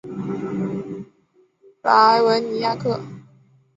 莱维尼亚克。